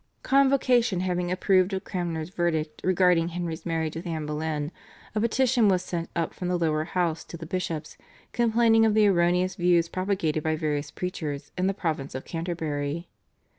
Convocation having approved of Cranmer's verdict regarding Henry's marriage with Anne Boleyn, a petition was sent up from the lower house to the bishops complaining of the erroneous views propagated by various preachers in the province of Canterbury.